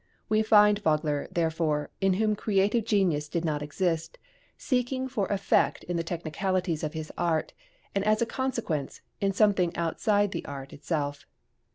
We find Vogler, therefore, in whom creative genius did not exist, seeking for effect in the technicalities of his art, and as a consequence, in something outside the art itself.